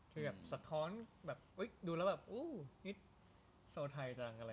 ที่สะท้อนดูแล้วแบบโอ้วนี่โซไทยจังอะไร